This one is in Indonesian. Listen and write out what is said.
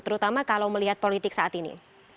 terutama kalau melihat politik saat ini